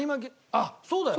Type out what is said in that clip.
あっそうだよ。